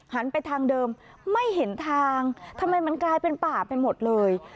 หันไปทางเดิมไม่เห็นทางทำไมมันกลายเป็นป่าไปหมดเลย